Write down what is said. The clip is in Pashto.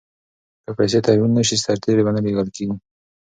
که پیسې تحویل نه شي سرتیري به نه لیږل کیږي.